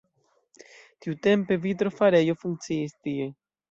Tiutempe vitrofarejo funkciis tie.